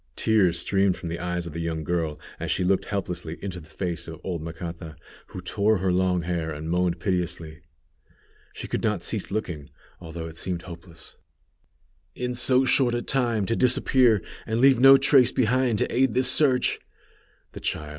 Tears streamed from the eyes of the young girl as she looked helplessly into the face of old Macata, who tore her long hair, and moaned piteously. She could not cease looking, although it seemed hopeless. "In so short a time to disappear, and leave no trace behind to aid this search!" The child!